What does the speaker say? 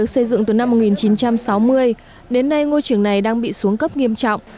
được xây dựng từ năm một nghìn chín trăm sáu mươi đến nay ngôi trường này đang bị xuống cấp nghiêm trọng